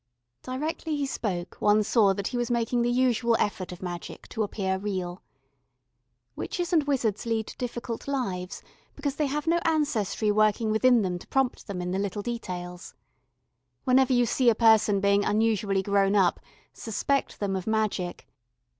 Directly he spoke, one saw that he was making the usual effort of magic to appear real. Witches and wizards lead difficult lives because they have no ancestry working within them to prompt them in the little details. Whenever you see a person being unusually grown up, suspect them of magic.